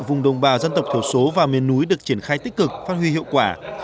vùng đồng bào dân tộc thiểu số và miền núi được triển khai tích cực phát huy hiệu quả